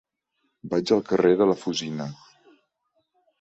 Vaig al carrer de la Fusina.